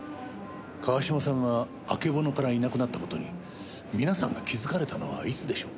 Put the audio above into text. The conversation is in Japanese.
川島さんがあけぼのからいなくなった事に皆さんが気づかれたのはいつでしょう？